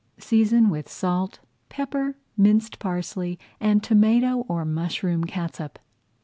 Season with salt, pepper, minced parsley, and tomato or mushroom catsup.